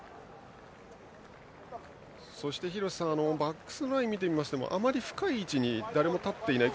そして、廣瀬さんバックスラインを見てもあまり深い位置に誰も立っていない。